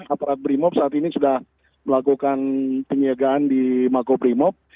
aparat primot saat ini sudah melakukan penyegaan di mako primot